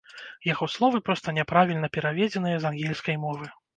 Яго словы проста няправільна пераведзеныя з ангельскай мовы.